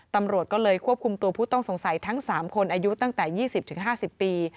ตำรวจก็เลยควบคุมตัวผู้ต้องสงสัยทั้ง๓คนอายุตั้งแต่๒๐๕๐ปี